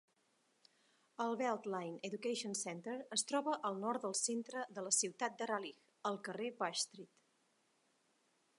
El Beltline Education Center es troba al nord del centre de la ciutat de Raleigh, al carrer Bush Street.